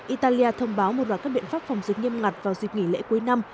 italia thông báo một loạt các biện pháp phòng dịch nghiêm ngặt vào dịp nghỉ lễ cuối năm